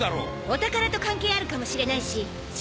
お宝と関係あるかもしれないししっかりね。